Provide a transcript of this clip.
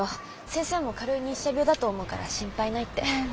先生も軽い日射病だと思うから心配ないって。